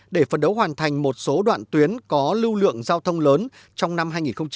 để phấn đấu hoàn thành một số đoạn tuyến có lưu lượng giao thông lớn trong năm hai nghìn hai mươi